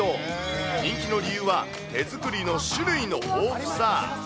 人気の理由は、手作りの種類の豊富さ。